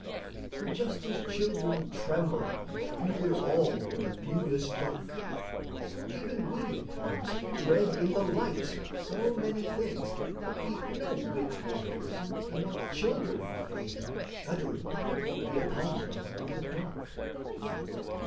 For just as children tremble and fear all In the viewless dark, so even we at times Dread in the light so many things that be No whit more fearsome than what children feign, Shuddering, will be upon them in the dark.